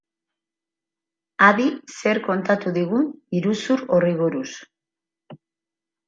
Adi zer kontatu digun iruzur horri buruz.